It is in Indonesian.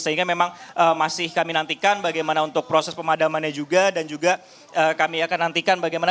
sehingga memang masih kami nantikan bagaimana untuk proses pemadamannya juga dan juga kami akan nantikan bagaimana